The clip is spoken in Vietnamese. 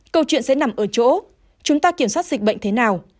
câu chuyện sẽ nằm ở chỗ chúng ta kiểm soát dịch bệnh thế nào